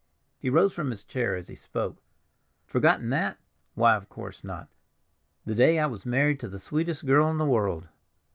He rose from his chair as he spoke. "Forgotten that? Why, of course not; the day I was married to the sweetest girl in the world!